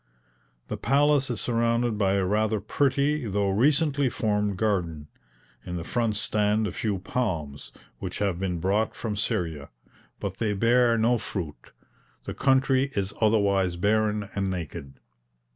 The palace is surrounded by a rather pretty though recently formed garden. In the front stand a few palms, which have been brought from Syria, but they bear no fruit. The country is otherwise barren and naked.